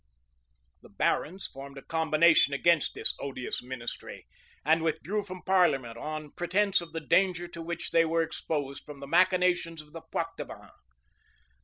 [] {1233.} The barons formed a combination against this odious ministry, and withdrew from parliament, on pretence of the danger to which they were exposed from the machinations of the Poictevins.